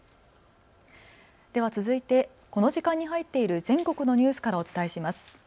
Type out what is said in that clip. では続いてこの時間に入っている全国のニュースからお伝えします。